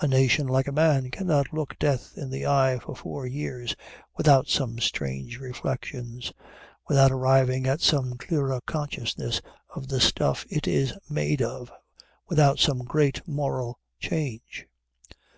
A nation, like a man, cannot look death in the eye for four years without some strange reflections, without arriving at some clearer consciousness of the stuff it is made of, without some great moral change.